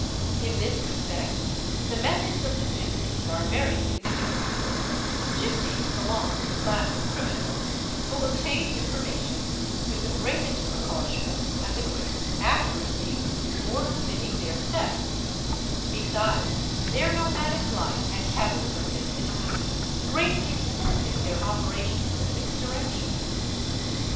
i this respect the methods of the gipsies are very significant; gipsies slong to the class of criminals who obtain information, with the eatest precaution and the greatest accuracy, before committing their 718 THEFT thefts ; besides, their nomadic life and habits of mendicity greatly facilitate their operations in this direction.